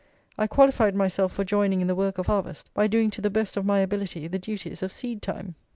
I qualified myself for joining in the work of harvest by doing to the best of my ability the duties of seed time."